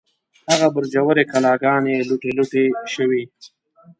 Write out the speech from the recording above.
هغه برجورې کلاګانې، لوټې لوټې شوې